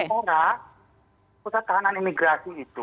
tapi orang pusat tahanan imigrasi